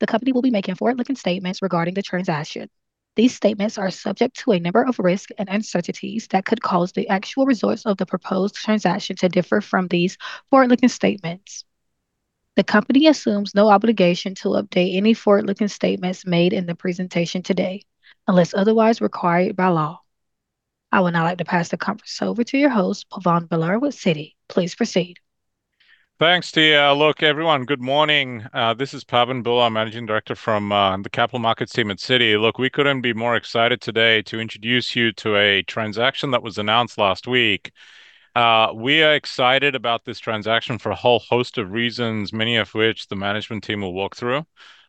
The company will be making forward-looking statements regarding the transaction. These statements are subject to a number of risks and uncertainties that could cause the actual results of the proposed transaction to differ from these forward-looking statements. The company assumes no obligation to update any forward-looking statements made in the presentation today, unless otherwise required by law. I would now like to pass the conference over to your host, Pavan Bhullar with Citi. Please proceed. Thanks, Tia. Look, everyone, good morning. This is Pavan Bhullar, Managing Director from the capital markets team at Citi. Look, we couldn't be more excited today to introduce you to a transaction that was announced last week. We are excited about this transaction for a whole host of reasons, many of which the Management Team will walk through.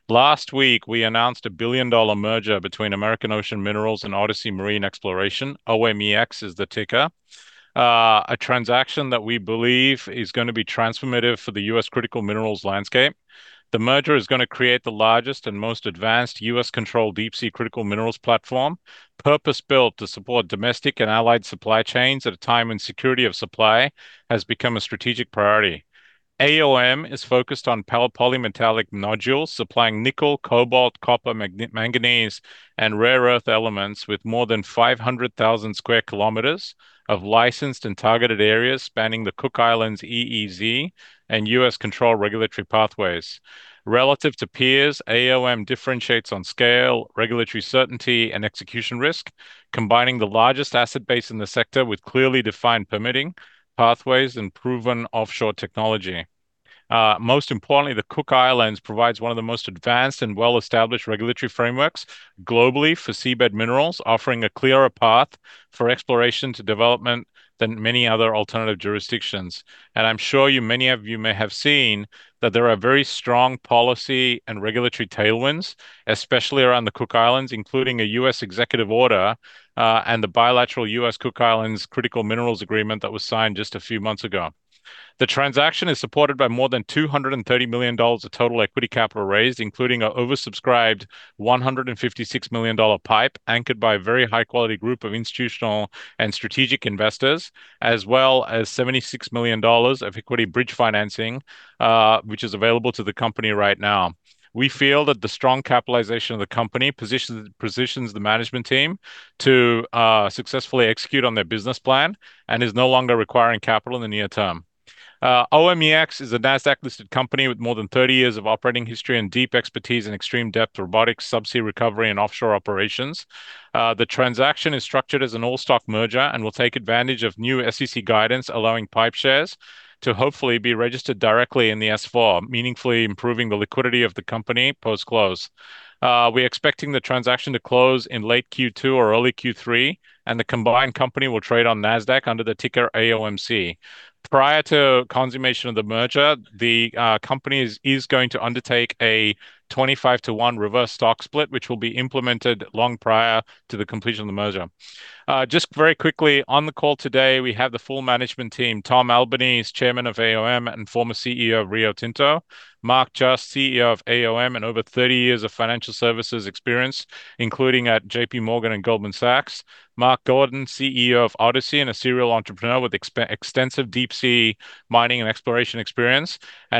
Last week, we announced a billion-dollar merger between American Ocean Minerals and Odyssey Marine Exploration, OMEX is the ticker, a transaction that we believe is going to be transformative for the U.S. critical minerals landscape. The merger is going to create the largest and most advanced U.S.-controlled deep-sea critical minerals platform, purpose-built to support domestic and allied supply chains at a time when security of supply has become a strategic priority. AOM is focused on polymetallic nodules supplying nickel, cobalt, copper, manganese, and rare earth elements with more than 500,000 sq km of licensed and targeted areas spanning the Cook Islands EEZ and U.S.-controlled regulatory pathways. Relative to peers, AOM differentiates on scale, regulatory certainty, and execution risk, combining the largest asset base in the sector with clearly defined permitting pathways and proven offshore technology. Most importantly, the Cook Islands provides one of the most advanced and well-established regulatory frameworks globally for seabed minerals, offering a clearer path for exploration to development than many other alternative jurisdictions. I'm sure many of you may have seen that there are very strong policy and regulatory tailwinds, especially around the Cook Islands, including a U.S. executive order and the bilateral U.S.-Cook Islands Critical Minerals Agreement that was signed just a few months ago. The transaction is supported by more than $230 million of total equity capital raised, including an oversubscribed $156 million PIPE, anchored by a very high-quality group of institutional and strategic investors, as well as $76 million of equity bridge financing, which is available to the company right now. We feel that the strong capitalization of the company positions the Management Team to successfully execute on their business plan and is no longer requiring capital in the near term. OMEX is a NASDAQ-listed company with more than 30 years of operating history and deep expertise in extreme depth robotics, subsea recovery, and offshore operations. The transaction is structured as an all-stock merger and will take advantage of new SEC guidance allowing PIPE shares to hopefully be registered directly in the S-4, meaningfully improving the liquidity of the company post-close. We're expecting the transaction to close in late Q2 or early Q3, and the combined company will trade on NASDAQ under the ticker AOMC. Prior to consummation of the merger, the company is going to undertake a 25/1 reverse stock split, which will be implemented long prior to the completion of the merger. Just very quickly, on the call today, we have the full management team, Tom Albanese, Chairman of AOM and former CEO of Rio Tinto, Mark Justh, CEO of AOM and over 30 years of financial services experience, including at JPMorgan and Goldman Sachs, Mark Gordon, CEO of Odyssey and a serial entrepreneur with extensive deep-sea mining and exploration experience.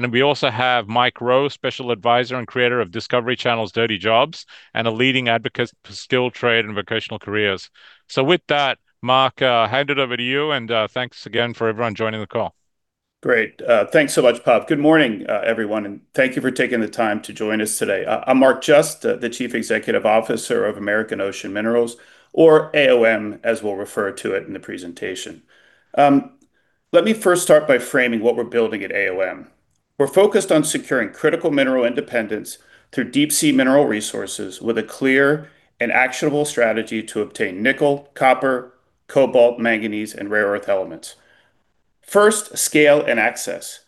We also have Mike Rowe, Special Advisor and Creator of Discovery Channel's Dirty Jobs and a leading advocate for skilled trade and vocational careers. With that, Mark, I'll hand it over to you, and thanks again for everyone joining the call. Great. Thanks so much, Pav. Good morning, everyone, and thank you for taking the time to join us today. I'm Mark Justh, the Chief Executive Officer of American Ocean Minerals, or AOM, as we'll refer to it in the presentation. Let me first start by framing what we're building at AOM. We're focused on securing critical mineral independence through deep-sea mineral resources with a clear and actionable strategy to obtain nickel, copper, cobalt, manganese, and rare earth elements. First, scale and access.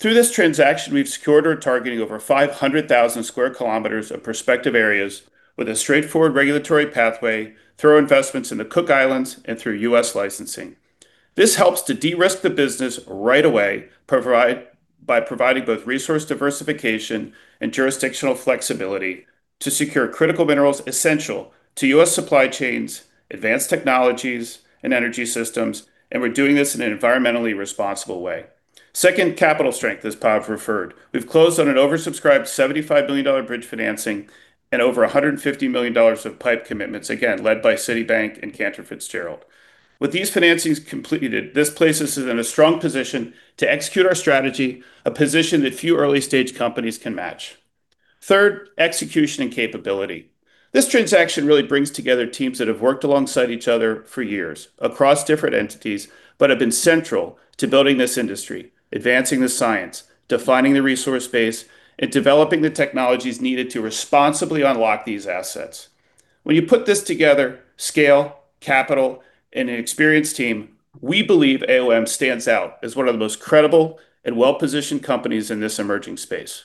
Through this transaction, we've secured or are targeting over 500,000 sq km of prospective areas with a straightforward regulatory pathway through our investments in the Cook Islands and through U.S. licensing. This helps to de-risk the business right away by providing both resource diversification and jurisdictional flexibility to secure critical minerals essential to U.S. supply chains, advanced technologies, and energy systems, and we're doing this in an environmentally responsible way. Second, capital strength, as Pav referred. We've closed on an oversubscribed $75 million bridge financing and over $150 million of PIPE commitments, again, led by Citibank and Cantor Fitzgerald. With these financings completed, this places us in a strong position to execute our strategy, a position that few early-stage companies can match. Third, execution and capability. This transaction really brings together teams that have worked alongside each other for years across different entities but have been central to building this industry, advancing the science, defining the resource base, and developing the technologies needed to responsibly unlock these assets. When you put this together, scale, capital, and an experienced team, we believe AOM stands out as one of the most credible and well-positioned companies in this emerging space.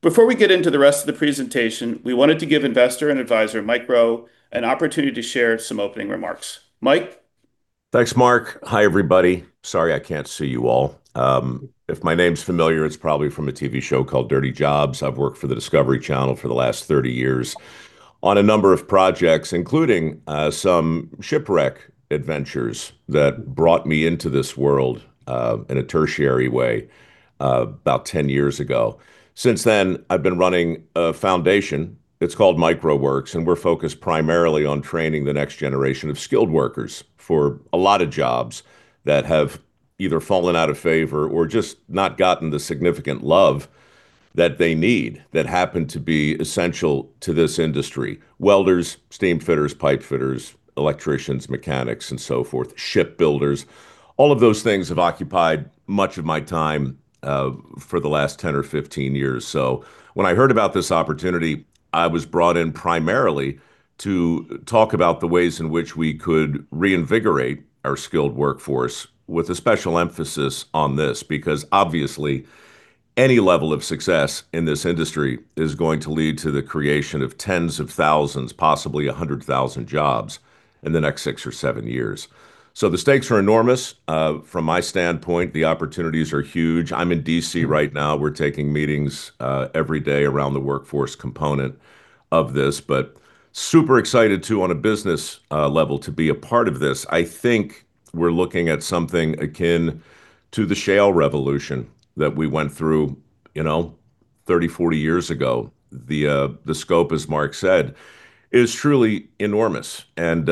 Before we get into the rest of the presentation, we wanted to give Investor and Advisor Mike Rowe an opportunity to share some opening remarks. Mike? Thanks, Mark. Hi, everybody. Sorry, I can't see you all. If my name's familiar, it's probably from a TV show called Dirty Jobs. I've worked for the Discovery Channel for the last 30 years. On a number of projects, including some shipwreck adventures that brought me into this world in a tertiary way about 10 years ago. Since then, I've been running a foundation. It's called mikeroweWORKS, and we're focused primarily on training the next generation of skilled workers for a lot of jobs that have either fallen out of favor or just not gotten the significant love that they need that happen to be essential to this industry. Welders, steamfitters, pipefitters, electricians, mechanics, and so forth, shipbuilders, all of those things have occupied much of my time for the last 10 or 15 years. When I heard about this opportunity, I was brought in primarily to talk about the ways in which we could reinvigorate our skilled workforce with a special emphasis on this, because obviously, any level of success in this industry is going to lead to the creation of tens of thousands, possibly 100,000 jobs in the next six or seven years. The stakes are enormous. From my standpoint, the opportunities are huge. I'm in D.C. right now. We're taking meetings every day around the workforce component of this, but super excited too on a business level to be a part of this. I think we're looking at something akin to the shale revolution that we went through 30, 40 years ago. The scope, as Mark said, is truly enormous, and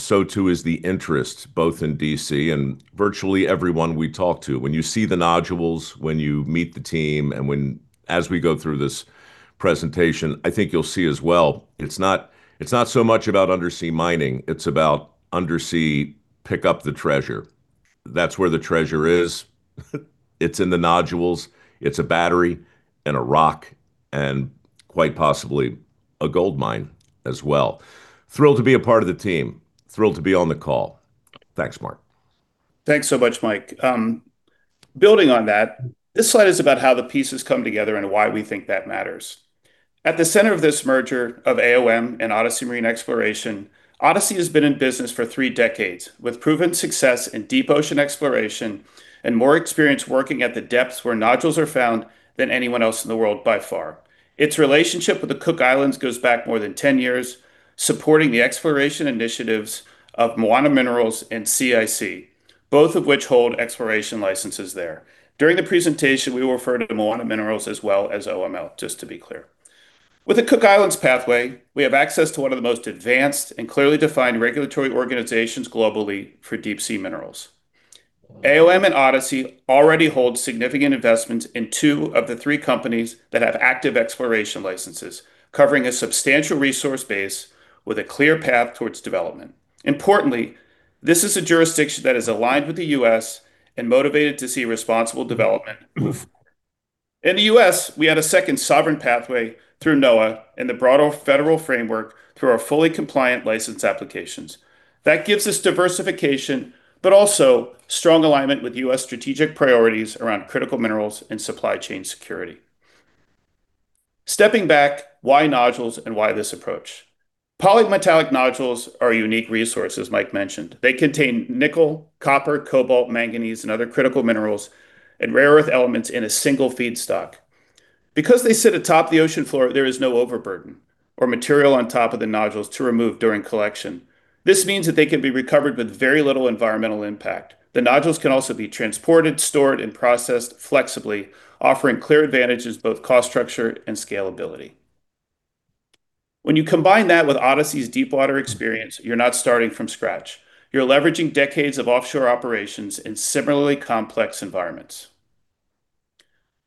so too is the interest both in D.C. and virtually everyone we talk to. When you see the nodules, when you meet the team, and as we go through this presentation, I think you'll see as well. It's not so much about undersea mining, it's about undersea pick up the treasure. That's where the treasure is. It's in the nodules, it's a battery in a rock, and quite possibly a gold mine as well. Thrilled to be a part of the team. Thrilled to be on the call. Thanks, Mark. Thanks so much, Mike. Building on that, this slide is about how the pieces come together and why we think that matters. At the center of this merger of AOM and Odyssey Marine Exploration, Odyssey has been in business for three decades, with proven success in deep-ocean exploration and more experience working at the depths where nodules are found than anyone else in the world by far. Its relationship with the Cook Islands goes back more than 10 years, supporting the exploration initiatives of Moana Minerals and CIC, both of which hold exploration licenses there. During the presentation, we will refer to Moana Minerals as well as OML, just to be clear. With the Cook Islands pathway, we have access to one of the most advanced and clearly defined regulatory organizations globally for deep-sea minerals. AOM and Odyssey already hold significant investments in two of the three companies that have active exploration licenses, covering a substantial resource base with a clear path towards development. Importantly, this is a jurisdiction that is aligned with the U.S. and motivated to see responsible development move forward. In the U.S., we have a second sovereign pathway through NOAA and the broader federal framework through our fully compliant license applications. That gives us diversification, but also strong alignment with U.S. strategic priorities around critical minerals and supply chain security. Stepping back, why nodules and why this approach? Polymetallic nodules are a unique resource, as Mike mentioned. They contain nickel, copper, cobalt, manganese, and other critical minerals and rare earth elements in a single feedstock. Because they sit atop the ocean floor, there is no overburden or material on top of the nodules to remove during collection. This means that they can be recovered with very little environmental impact. The nodules can also be transported, stored, and processed flexibly, offering clear advantages in both cost structure and scalability. When you combine that with Odyssey's deep-water experience, you're not starting from scratch. You're leveraging decades of offshore operations in similarly complex environments.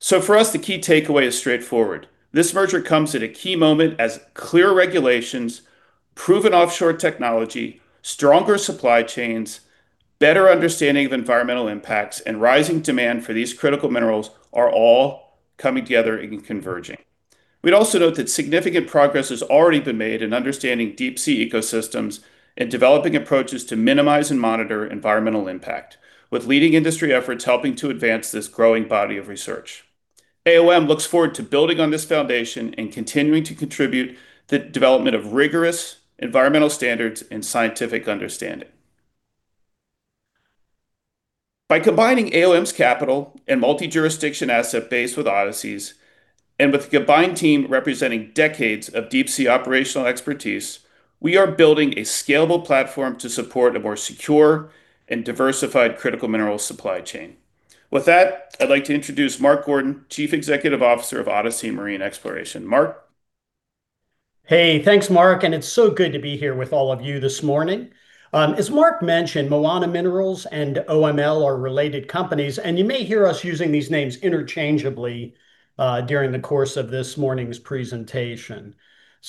For us, the key takeaway is straightforward. This merger comes at a key moment as clear regulations, proven offshore technology, stronger supply chains, better understanding of environmental impacts, and rising demand for these critical minerals are all coming together and converging. We'd also note that significant progress has already been made in understanding deep-sea ecosystems and developing approaches to minimize and monitor environmental impact, with leading industry efforts helping to advance this growing body of research. AOM looks forward to building on this foundation and continuing to contribute to development of rigorous environmental standards and scientific understanding. By combining AOM's capital and multi-jurisdiction asset base with Odyssey's, and with the combined team representing decades of deep-sea operational expertise, we are building a scalable platform to support a more secure and diversified critical mineral supply chain. With that, I'd like to introduce Mark Gordon, Chief Executive Officer of Odyssey Marine Exploration. Mark? Hey, thanks, Mark. It's so good to be here with all of you this morning. As Mark mentioned, Moana Minerals and OML are related companies, and you may hear us using these names interchangeably during the course of this morning's presentation.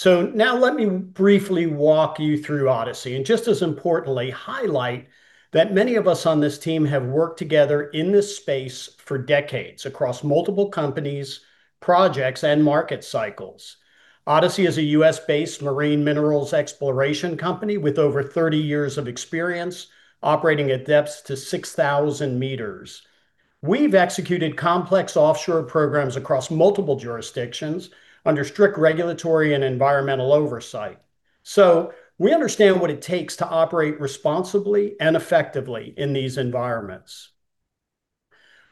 Now, let me briefly walk you through Odyssey, and just as importantly, highlight that many of us on this team have worked together in this space for decades across multiple companies, projects, and market cycles. Odyssey is a U.S.-based marine minerals exploration company with over 30 years of experience operating at depths to 6,000 meters. We've executed complex offshore programs across multiple jurisdictions under strict regulatory and environmental oversight. We understand what it takes to operate responsibly and effectively in these environments.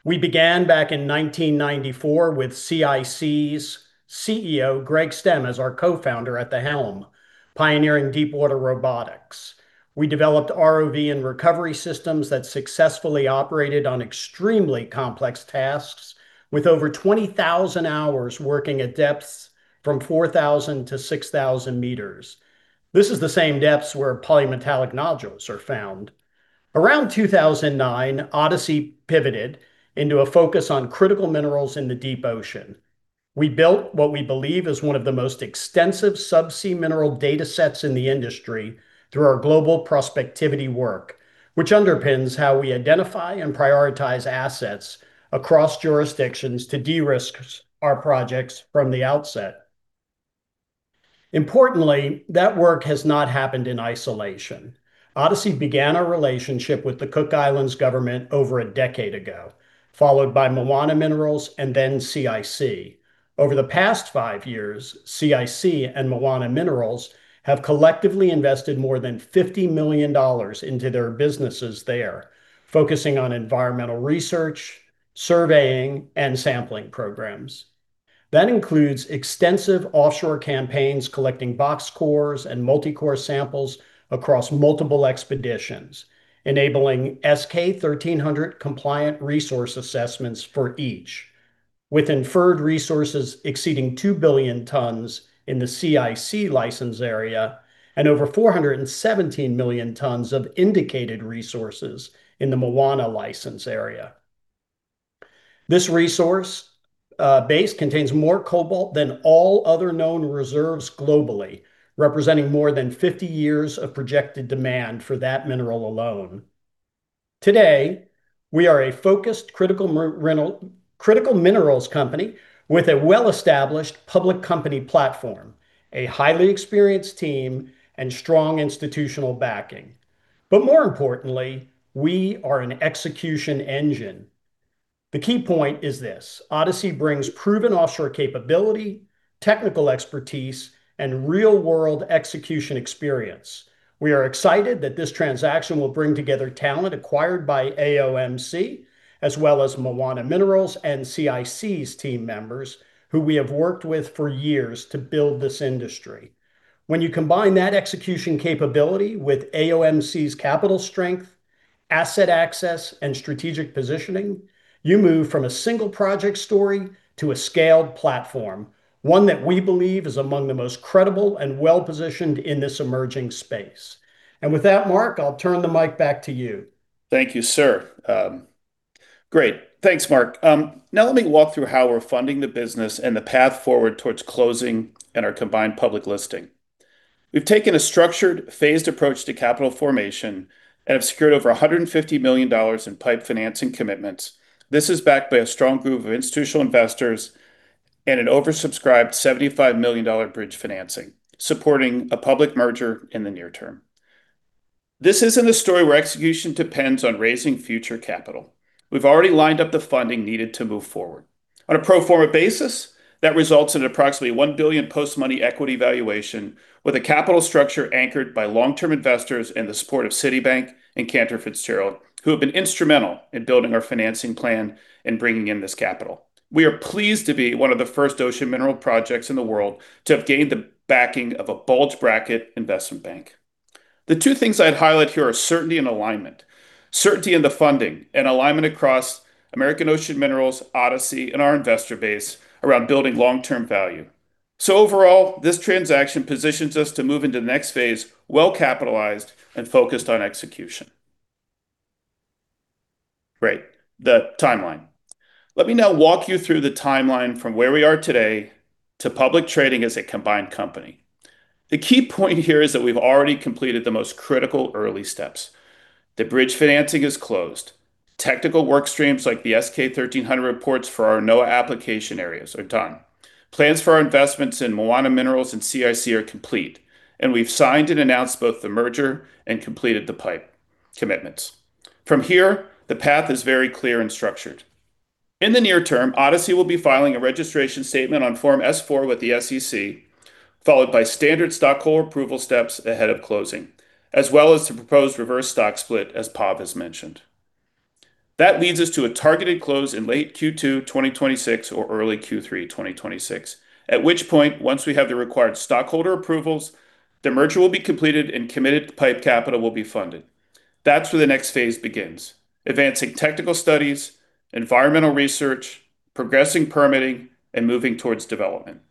We began back in 1994 with CIC's CEO, Greg Stemm, as our Co-founder at the helm, pioneering deepwater robotics. We developed ROV and recovery systems that successfully operated on extremely complex tasks, with over 20,000 hours working at depths from 4,000 meters-6,000 meters. This is the same depths where polymetallic nodules are found. Around 2009, Odyssey pivoted into a focus on critical minerals in the deep ocean. We built what we believe is one of the most extensive subsea mineral data sets in the industry through our global prospectivity work, which underpins how we identify and prioritize assets across jurisdictions to de-risk our projects from the outset. Importantly, that work has not happened in isolation. Odyssey began a relationship with the Cook Islands government over a decade ago, followed by Moana Minerals and then CIC. Over the past five years, CIC and Moana Minerals have collectively invested more than $50 million into their businesses there, focusing on environmental research, surveying, and sampling programs. That includes extensive offshore campaigns collecting box cores and multi-core samples across multiple expeditions, enabling S-K 1300 compliant resource assessments for each, with inferred resources exceeding 2 billion tons in the CIC license area and over 417 million tons of indicated resources in the Moana license area. This resource base contains more cobalt than all other known reserves globally, representing more than 50 years of projected demand for that mineral alone. Today, we are a focused critical minerals company with a well-established public company platform, a highly experienced team, and strong institutional backing. More importantly, we are an execution engine. The key point is this. Odyssey brings proven offshore capability, technical expertise, and real-world execution experience. We are excited that this transaction will bring together talent acquired by AOMC, as well as Moana Minerals and CIC's team members who we have worked with for years to build this industry. When you combine that execution capability with AOMC's capital strength, asset access, and strategic positioning, you move from a single-project story to a scaled platform, one that we believe is among the most credible and well-positioned in this emerging space. With that, Mark, I'll turn the mic back to you. Thank you, sir. Great. Thanks, Mark. Now, let me walk through how we're funding the business and the path forward towards closing and our combined public listing. We've taken a structured, phased approach to capital formation and have secured over $150 million in PIPE financing commitments. This is backed by a strong group of institutional investors and an oversubscribed $75 million bridge financing, supporting a public merger in the near term. This isn't a story where execution depends on raising future capital. We've already lined up the funding needed to move forward. On a pro forma basis, that results in approximately $1 billion post-money equity valuation with a capital structure anchored by long-term investors and the support of Citibank and Cantor Fitzgerald, who have been instrumental in building our financing plan and bringing in this capital. We are pleased to be one of the first ocean mineral projects in the world to have gained the backing of a bulge bracket investment bank. The two things I'd highlight here are certainty and alignment. Certainty in the funding and alignment across American Ocean Minerals, Odyssey, and our investor base around building long-term value. Overall, this transaction positions us to move into the next phase, well-capitalized and focused on execution. Great.The timeline. Let me now walk you through the timeline from where we are today to public trading as a combined company. The key point here is that we've already completed the most critical early steps. The bridge financing is closed. Technical work streams like the S-K 1300 reports for our NOAA application areas are done. Plans for our investments in Moana Minerals and CIC are complete, and we've signed and announced both the merger and completed the PIPE commitments. From here, the path is very clear and structured. In the near term, Odyssey will be filing a registration statement on Form S-4 with the SEC, followed by standard stockholder approval steps ahead of closing, as well as the proposed reverse stock split, as Pav has mentioned. That leads us to a targeted close in late Q2 2026 or early Q3 2026, at which point, once we have the required stockholder approvals, the merger will be completed, and committed PIPE capital will be funded. That's where the next phase begins, advancing technical studies, environmental research, progressing permitting, and moving towards development.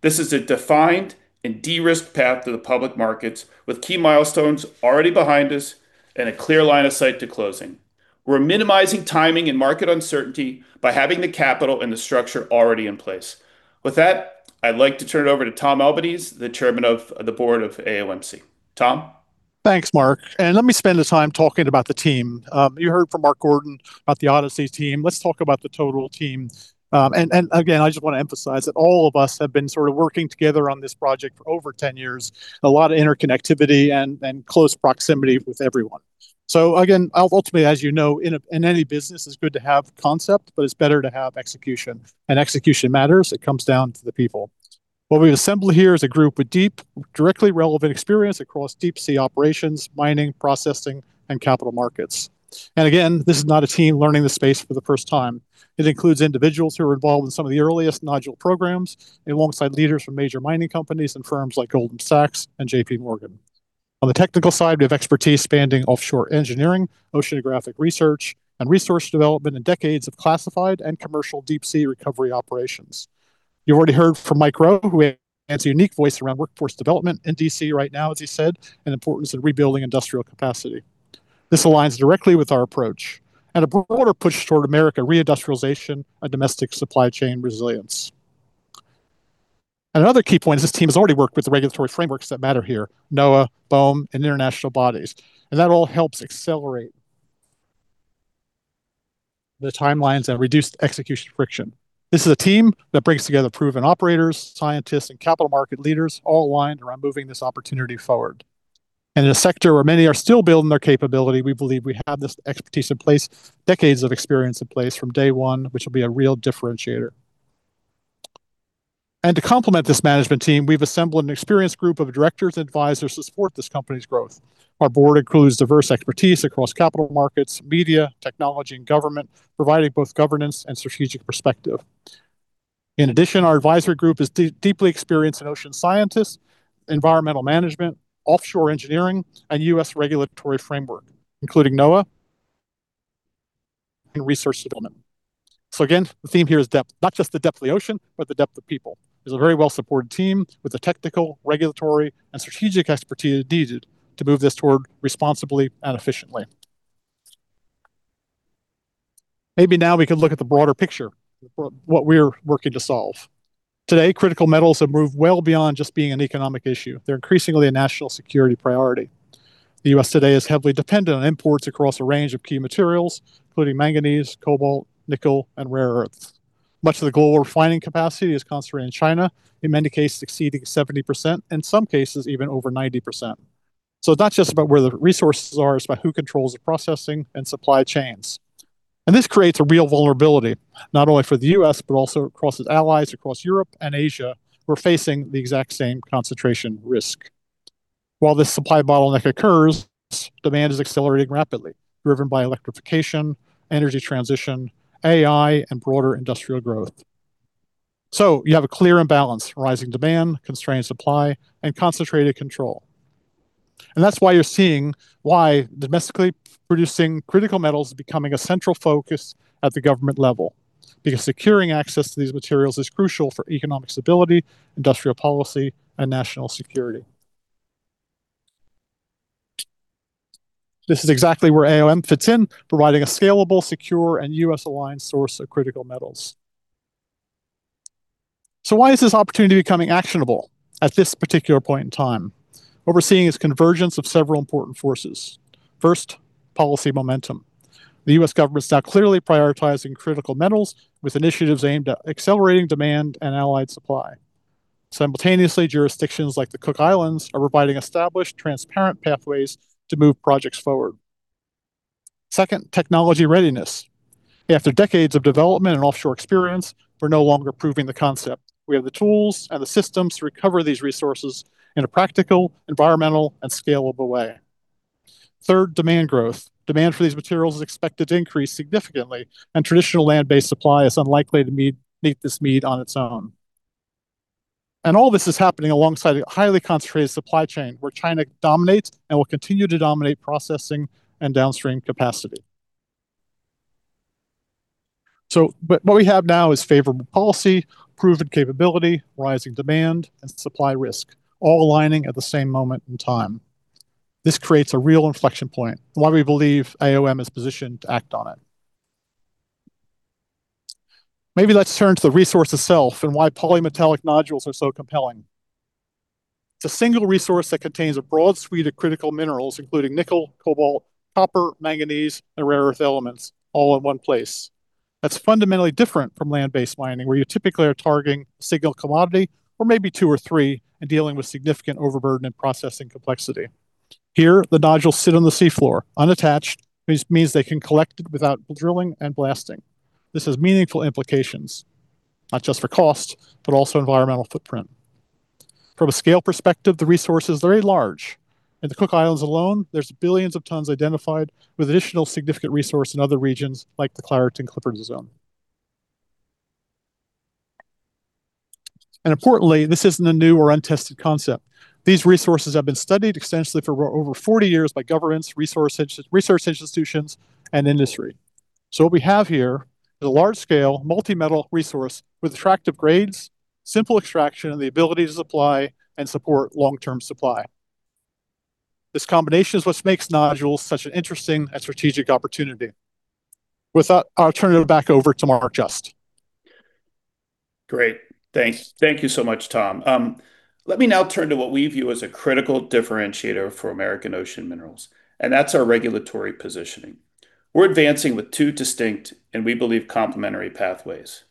This is a defined and de-risked path to the public markets with key milestones already behind us and a clear line of sight to closing. We're minimizing timing and market uncertainty by having the capital and the structure already in place. With that, I'd like to turn it over to Tom Albanese, the Chairman of the Board of AOMC. Tom? Thanks, Mark. Let me spend the time talking about the team. You heard from Mark Gordon about the Odyssey team. Let's talk about the total team. Again, I just want to emphasize that all of us have been sort of working together on this project for over 10 years, a lot of interconnectivity and close proximity with everyone. Again, ultimately, as you know, in any business, it's good to have concept, but it's better to have execution, and execution matters. It comes down to the people. What we've assembled here is a group with deep, directly relevant experience across deep-sea operations, mining, processing, and capital markets. Again, this is not a team learning the space for the first time. It includes individuals who are involved in some of the earliest nodule programs, alongside leaders from major mining companies and firms like Goldman Sachs and JPMorgan. On the technical side, we have expertise spanning offshore engineering, oceanographic research, and resource development, and decades of classified and commercial deep-sea recovery operations. You've already heard from Mike Rowe, who adds a unique voice around workforce development in D.C. right now, as he said, and importance of rebuilding industrial capacity. This aligns directly with our approach and a broader push toward America reindustrialization and domestic supply chain resilience. Another key point is this team has already worked with the regulatory frameworks that matter here, NOAA, BOEM, and international bodies, and that all helps accelerate the timelines and reduce execution friction. This is a team that brings together proven operators, scientists, and capital market leaders, all aligned around moving this opportunity forward. In a sector where many are still building their capability, we believe we have this expertise in place, decades of experience in place from day one, which will be a real differentiator. To complement this management team, we've assembled an experienced group of directors and advisors to support this company's growth. Our board includes diverse expertise across capital markets, media, technology, and government, providing both governance and strategic perspective. In addition, our advisory group is deeply experienced in ocean scientists, environmental management, offshore engineering, and U.S. regulatory framework, including NOAA and resource development. Again, the theme here is depth, not just the depth of the ocean, but the depth of people. There's a very well-supported team with the technical, regulatory, and strategic expertise needed to move this forward responsibly and efficiently. Maybe now we could look at the broader picture for what we're working to solve. Today, critical metals have moved well beyond just being an economic issue. They're increasingly a national security priority. The U.S. today is heavily dependent on imports across a range of key materials, including manganese, cobalt, nickel, and rare earths. Much of the global refining capacity is concentrated in China, in many cases exceeding 70%, in some cases even over 90%. It's not just about where the resources are, it's about who controls the processing and supply chains. This creates a real vulnerability, not only for the U.S., but also across its allies across Europe and Asia, who are facing the exact same concentration risk. While this supply bottleneck occurs, demand is accelerating rapidly, driven by electrification, energy transition, AI, and broader industrial growth. You have a clear imbalance, rising demand, constrained supply, and concentrated control. That's why you're seeing why domestically producing critical metals is becoming a central focus at the government level, because securing access to these materials is crucial for economic stability, industrial policy, and national security. This is exactly where AOM fits in, providing a scalable, secure, and U.S.-aligned source of critical metals. Why is this opportunity becoming actionable at this particular point in time? What we're seeing is convergence of several important forces. First, policy momentum. The U.S. government is now clearly prioritizing critical metals with initiatives aimed at accelerating demand and allied supply. Simultaneously, jurisdictions like the Cook Islands are providing established, transparent pathways to move projects forward. Second, technology readiness. After decades of development and offshore experience, we're no longer proving the concept. We have the tools and the systems to recover these resources in a practical, environmental, and scalable way. Third, demand growth. Demand for these materials is expected to increase significantly, and traditional land-based supply is unlikely to meet this need on its own. All this is happening alongside a highly concentrated supply chain, where China dominates and will continue to dominate processing and downstream capacity. What we have now is favorable policy, proven capability, rising demand, and supply risk, all aligning at the same moment in time. This creates a real inflection point, and why we believe AOM is positioned to act on it. Maybe let's turn to the resource itself and why polymetallic nodules are so compelling. It's a single resource that contains a broad suite of critical minerals, including nickel, cobalt, copper, manganese, and rare earth elements all in one place. That's fundamentally different from land-based mining, where you typically are targeting a single commodity, or maybe two or three, and dealing with significant overburden and processing complexity. Here, the nodules sit on the seafloor, unattached, which means they can collect it without drilling and blasting. This has meaningful implications, not just for cost, but also environmental footprint. From a scale perspective, the resource is very large. In the Cook Islands alone, there's billions of tons identified, with additional significant resource in other regions like the Clarion-Clipperton Zone. Importantly, this isn't a new or untested concept. These resources have been studied extensively for over 40 years by governments, research institutions, and industry. What we have here is a large-scale, multi-metal resource with attractive grades, simple extraction, and the ability to supply and support long-term supply. This combination is what makes nodules such an interesting and strategic opportunity. With that, I'll turn it back over to Mark Justh. Great. Thanks. Thank you so much, Tom. Let me now turn to what we view as a critical differentiator for American Ocean Minerals, and that's our regulatory positioning. We're advancing with two distinct, and we believe complementary, pathways.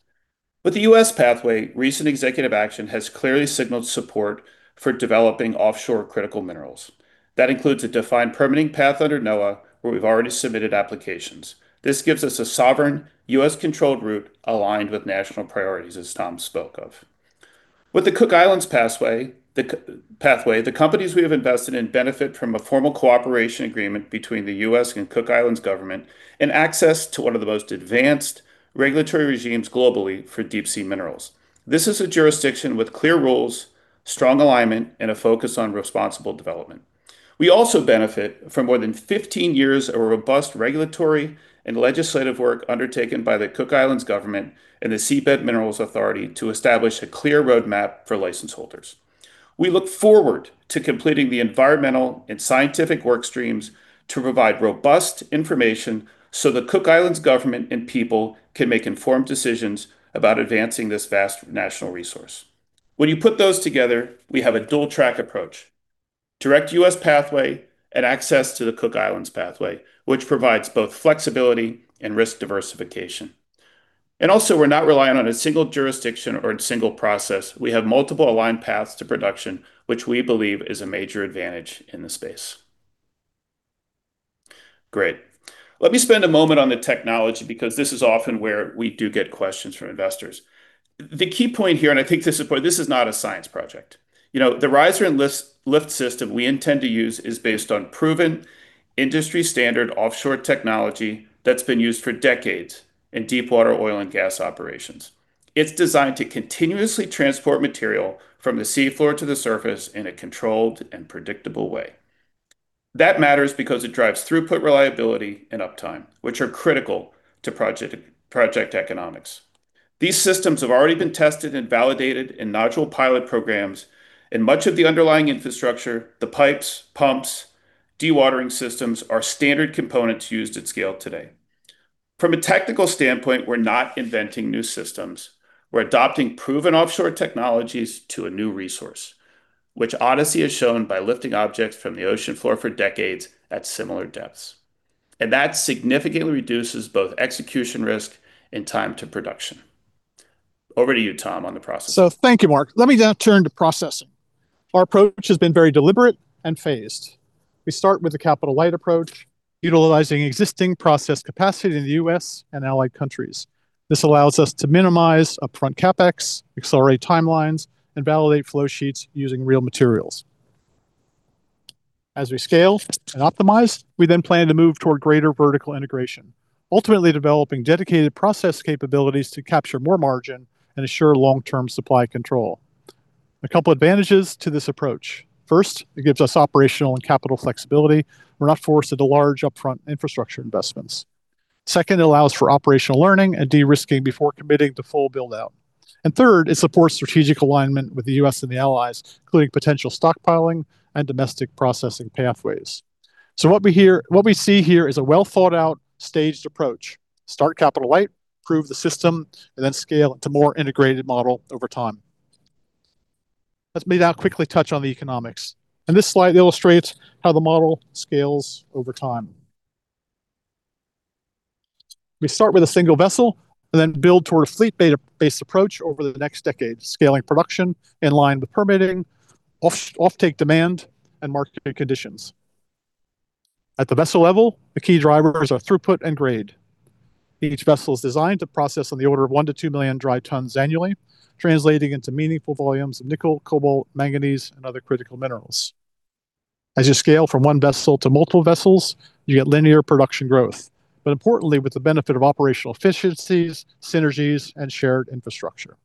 With the U.S. pathway, recent executive action has clearly signaled support for developing offshore critical minerals. That includes a defined permitting path under NOAA, where we've already submitted applications. This gives us a sovereign, U.S.-controlled route aligned with national priorities, as Tom spoke of. With the Cook Islands pathway, the companies we have invested in benefit from a formal cooperation agreement between the U.S. and Cook Islands government and access to one of the most advanced regulatory regimes globally for deep-sea minerals. This is a jurisdiction with clear rules, strong alignment, and a focus on responsible development. We also benefit from more than 15 years of robust regulatory and legislative work undertaken by the Cook Islands Government and the Seabed Minerals Authority to establish a clear roadmap for license holders. We look forward to completing the environmental and scientific work streams to provide robust information so the Cook Islands Government and people can make informed decisions about advancing this vast national resource. When you put those together, we have a dual track approach, direct U.S. pathway and access to the Cook Islands pathway, which provides both flexibility and risk diversification. Also, we're not reliant on a single jurisdiction or a single process. We have multiple aligned paths to production, which we believe is a major advantage in this space. Great. Let me spend a moment on the technology, because this is often where we do get questions from investors. The key point here, and I think this is important, this is not a science project. The riser and lift system we intend to use is based on proven industry standard offshore technology that's been used for decades in deep water oil and gas operations. It's designed to continuously transport material from the seafloor to the surface in a controlled and predictable way. That matters because it drives throughput reliability and uptime, which are critical to project economics. These systems have already been tested and validated in nodule pilot programs, and much of the underlying infrastructure, the pipes, pumps, dewatering systems, are standard components used at scale today. From a technical standpoint, we're not inventing new systems. We're adopting proven offshore technologies to a new resource, which Odyssey has shown by lifting objects from the ocean floor for decades at similar depths. That significantly reduces both execution risk and time to production. Over to you, Tom, on the process. Thank you, Mark. Let me now turn to processing. Our approach has been very deliberate and phased. We start with the capital-light approach, utilizing existing process capacity in the U.S. and allied countries. This allows us to minimize upfront CapEx, accelerate timelines, and validate flow sheets using real materials. As we scale and optimize, we then plan to move toward greater vertical integration, ultimately developing dedicated process capabilities to capture more margin and assure long-term supply control. A couple advantages to this approach. First, it gives us operational and capital flexibility. We're not forced into large upfront infrastructure investments. Second, it allows for operational learning and de-risking before committing to full build-out. Third, it supports strategic alignment with the U.S. and the allies, including potential stockpiling and domestic processing pathways. What we see here is a well-thought-out, staged approach. Start capital-light, prove the system, and then scale it to more integrated model over time. Let me now quickly touch on the economics, and this slide illustrates how the model scales over time. We start with a single vessel and then build toward a fleet-based approach over the next decade, scaling production in line with permitting, offtake demand, and market conditions. At the vessel level, the key drivers are throughput and grade. Each vessel is designed to process on the order of 1 million-2 million dry tons annually, translating into meaningful volumes of nickel, cobalt, manganese, and other critical minerals. As you scale from one vessel to multiple vessels, you get linear production growth, but importantly, with the benefit of operational efficiencies, synergies, and shared infrastructure.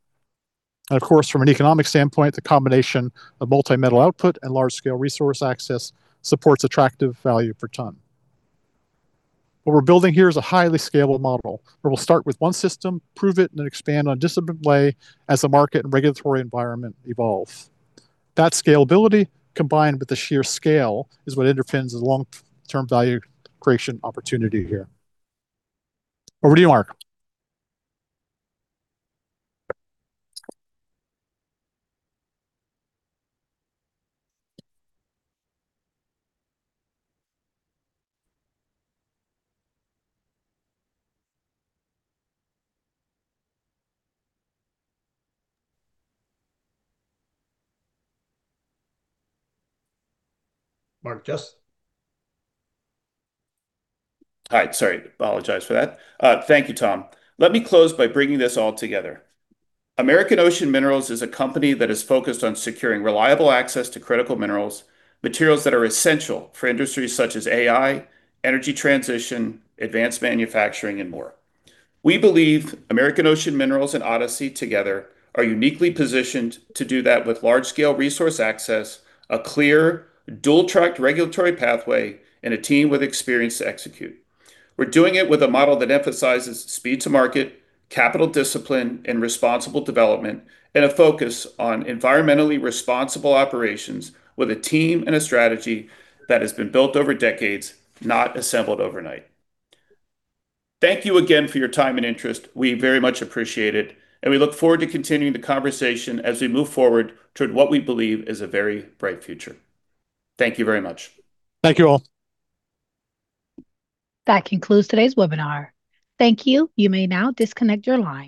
Of course, from an economic standpoint, the combination of multi-metal output and large-scale resource access supports attractive value per ton. What we're building here is a highly scalable model, where we'll start with one system, prove it, and then expand in a disciplined way as the market and regulatory environment evolve. That scalability, combined with the sheer scale, is what underpins the long-term value creation opportunity here. Over to you, Mark. Hi. Sorry, apologize for that. Thank you, Tom. Let me close by bringing this all together. American Ocean Minerals is a company that is focused on securing reliable access to critical minerals, materials that are essential for industries such as AI, energy transition, advanced manufacturing, and more. We believe American Ocean Minerals and Odyssey together are uniquely positioned to do that with large-scale resource access, a clear dual-tracked regulatory pathway, and a team with experience to execute. We're doing it with a model that emphasizes speed to market, capital discipline, and responsible development, and a focus on environmentally responsible operations with a team and a strategy that has been built over decades, not assembled overnight. Thank you again for your time and interest. We very much appreciate it, and we look forward to continuing the conversation as we move forward toward what we believe is a very bright future. Thank you very much. Thank you all. That concludes today's webinar. Thank you. You may now disconnect your line.